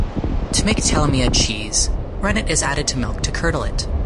To make "telemea" cheese, rennet is added into milk to curdle it.